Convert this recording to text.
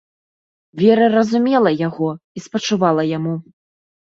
Вера разумела яго і спачувала яму.